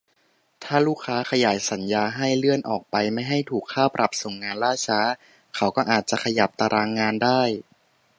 ถ้าลูกค้าขยายสัญญาให้ เลื่อนออกไปไม่ให้ถูกค่าปรับส่งงานล่าช้า เขาก็อาจจะขยับตารางงานได้